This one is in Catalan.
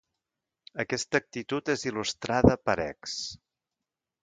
Aquesta actitud és il·lustrada per ex.